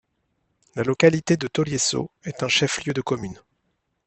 La localité de Toliesso est un chef-lieu de commune.